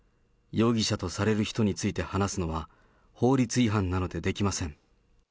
容疑者とされる人について話すのは、法律違反なのでできません。